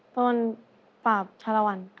ตอนปราบชะละวัน